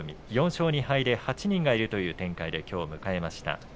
４勝２敗で８人がいるという展開できょうを迎えました。